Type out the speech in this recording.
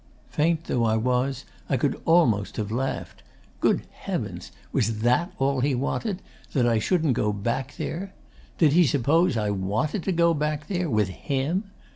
'Faint though I was, I could almost have laughed. Good heavens! was THAT all he wanted: that I shouldn't go back there? Did he suppose I wanted to go back there with HIM?